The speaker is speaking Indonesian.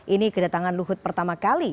ini kedatangan luhut pertama kali